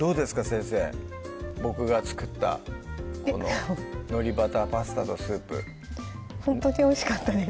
先生ボクが作ったこの「のりバターパスタ」とスープほんとにおいしかったです